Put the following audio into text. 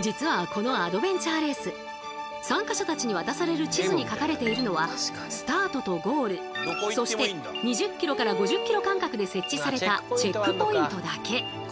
実はこのアドベンチャーレース参加者たちに渡される地図に書かれているのはスタートとゴールそして２０ｋｍから５０ｋｍ間隔で設置されたチェックポイントだけ。